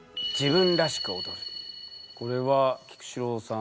これは菊紫郎さん。